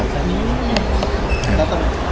นี่มีนะครับ